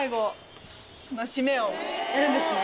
やるんですね。